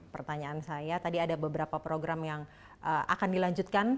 pertanyaan saya tadi ada beberapa program yang akan dilanjutkan